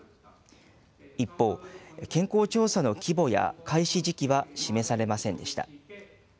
一方、健康調査の規模や開始時期は示されませんでした。